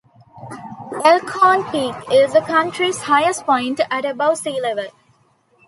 Elkhorn Peak is the county's highest point, at above sea level.